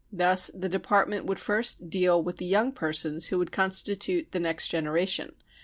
Thus the depart ment would first deal with the young persons who would constitute the next generation.